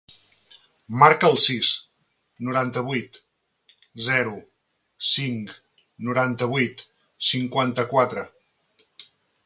Marca el sis, noranta-vuit, zero, cinc, noranta-vuit, cinquanta-quatre.